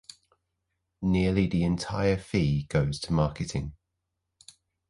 Nearly the entire fee goes to marketing.